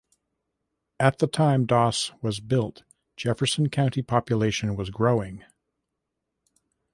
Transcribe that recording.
At the time Doss was built, Jefferson County population was growing.